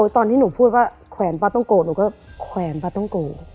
ตอนที่หนูพูดว่าแขวนป๊าต้องโกรธหนูก็แขวนป๊าต้องโกรธ